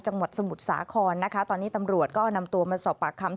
จังหวัดสมุทรสาครนะคะตอนนี้ตำรวจก็นำตัวมาสอบปากคำ